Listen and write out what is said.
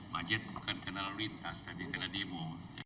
macet bukan karena lalu lintas tapi karena demo